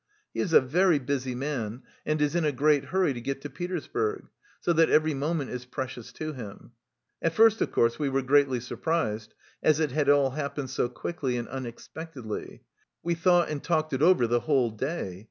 He is a very busy man and is in a great hurry to get to Petersburg, so that every moment is precious to him. At first, of course, we were greatly surprised, as it had all happened so quickly and unexpectedly. We thought and talked it over the whole day.